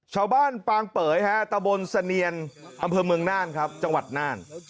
ชาวบ้านปางเป๋ยฮะตะบลเสนียนบำพื้นเมืองน่านครับจังหวัดน่าน